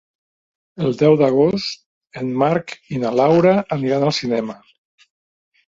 El deu d'agost en Marc i na Laura aniran al cinema.